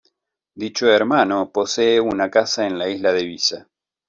Dicho hermano posee una casa en la isla de Ibiza.